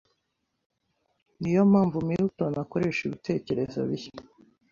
Niyo mpamvu Milton akoresha ibitekerezo bishya